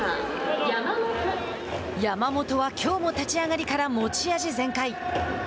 山本はきょうも立ち上がりから持ち味全開。